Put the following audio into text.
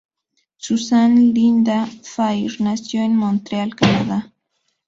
Susan Linda Fair nació en Montreal, Canadá.